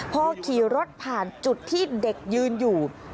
พอขี่รถผ่านจุดที่เด็กยืนอยู่